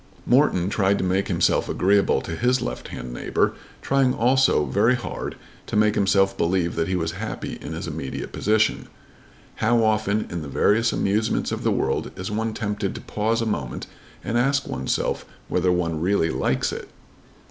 Morton tried to make himself agreeable to his left hand neighbour, trying also very hard to make himself believe that he was happy in his immediate position. How often in the various amusements of the world is one tempted to pause a moment and ask oneself whether one really likes it!